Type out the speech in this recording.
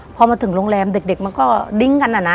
พอมาถึงโรงแรมเด็กมันก็ดิ้งกันอะนะ